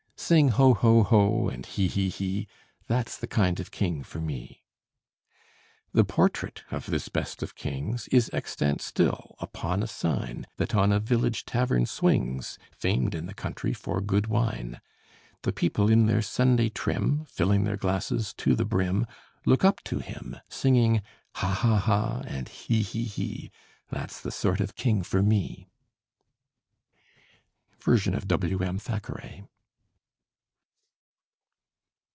Sing ho, ho, ho! and he, he, he! That's the kind of king for me. The portrait of this best of kings Is extant still, upon a sign That on a village tavern swings, Famed in the country for good wine. The people in their Sunday trim, Filling their glasses to the brim, Look up to him, Singing "ha, ha, ha!" and "he, he, he! That's the sort of king for me." Version of W.M. Thackeray.